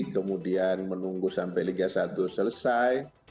kemudian menunggu sampai liga satu selesai